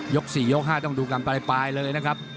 ๔ยก๕ต้องดูกันปลายเลยนะครับ